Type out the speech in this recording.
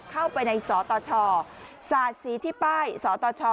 เข้าไปในสตชสาดสีที่ป้ายสตช